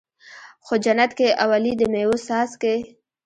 خو جنت کې اولي د مَيو څاڅکی